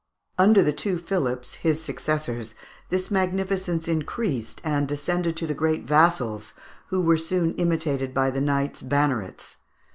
Under the two Philips, his successors, this magnificence increased, and descended to the great vassals, who were soon imitated by the knights "bannerets."